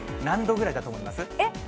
何度ぐらいだと思います？